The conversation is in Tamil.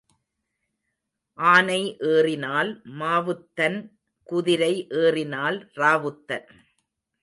ஆனை ஏறினால் மாவுத்தன் குதிரை ஏறினால் ராவுத்தன்.